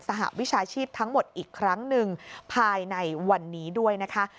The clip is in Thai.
หวิชาชีพทั้งหมดอีกครั้งหนึ่งภายในวันนี้ด้วยนะคะ